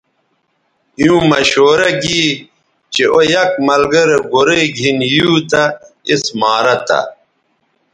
ایووں مشورہ گی چہء او یک ملگرے گورئ گِھن یُو تہ اس مارہ تھہ